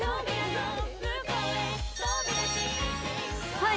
はい！